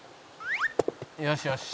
「よしよし」